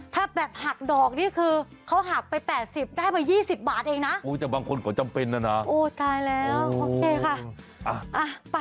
แต่บางคนก็จำเป็นน่ะนะโอ้ตายแล้วโอเคค่ะ